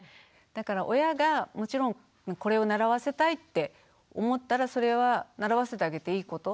だから親がもちろんこれを習わせたいって思ったらそれは習わせてあげていいこと。